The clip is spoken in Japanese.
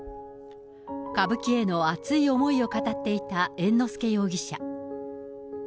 歌舞伎への熱い思いを語っていた猿之助容疑者。